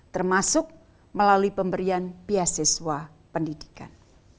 termasuk melalui pemberian beasiswa pendidikan